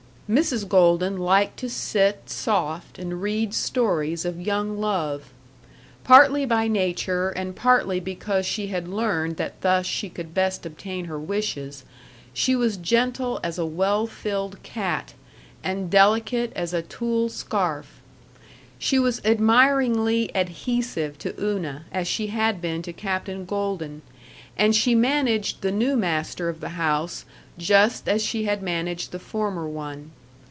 Mrs. Golden liked to sit soft and read stories of young love. Partly by nature and partly because she had learned that thus she could best obtain her wishes, she was gentle as a well filled cat and delicate as a tulle scarf. She was admiringly adhesive to Una as she had been to Captain Golden, and she managed the new master of the house just as she had managed the former one.